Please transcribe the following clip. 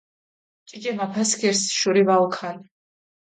ჭიჭე მაფასქირს შური ვაუქალჷ.